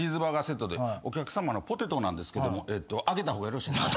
お客さまポテトなんですけど揚げた方がよろしいですか？